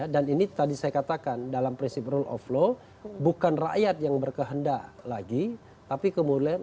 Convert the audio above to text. dan ini tadi saya katakan dalam prinsip rule of law bukan rakyat yang berkehendak lagi tapi kemudian